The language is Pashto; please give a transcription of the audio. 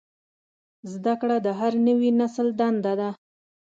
زدهکړه د هر نوي نسل دنده ده.